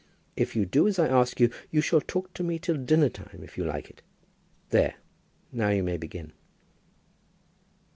If you do as I ask you, you shall talk to me till dinner time, if you like it. There. Now you may begin."